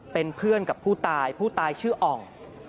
เป็นเพื่อนกับผู้ตายผู้ตายชื่ออ่อง